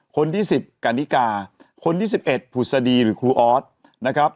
คนที่๑๐กันนิกาคนที่๑๑ผุศดีหรือครูออสนะครับ